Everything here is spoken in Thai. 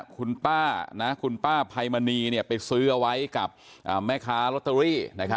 คุณป้าไพมณีไปซื้อไว้กับแม่ค้าลอตเตอรี่